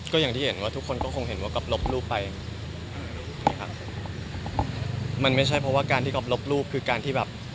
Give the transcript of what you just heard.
ก็อย่างที่เห็นว่าทุกคนก็คงเห็นว่าก๊อปลบรูปไปนะครับมันไม่ใช่เพราะว่าการที่ก๊อฟลบรูปคือการที่แบบ